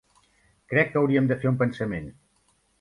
Crec que hauríem de fer un pensament.